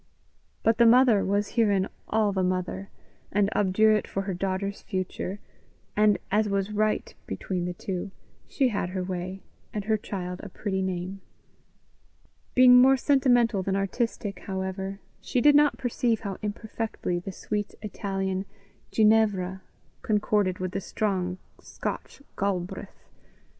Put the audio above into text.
But the mother was herein all the mother, and obdurate for her daughter's future; and, as was right between the two, she had her way, and her child a pretty name. Being more sentimental than artistic, however, she did not perceive how imperfectly the sweet Italian Ginevra concorded with the strong Scotch Galbraith.